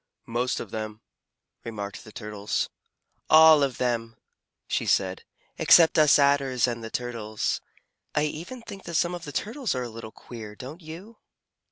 "Most of them," remarked the Turtles. "All of them," she said, "except us Adders and the Turtles. I even think that some of the Turtles are a little queer, don't you?"